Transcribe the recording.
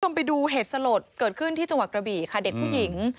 ไปดูเหตุสลดเกิดขึ้นที่จังหวัดกระบี่ค่ะเด็กผู้หญิง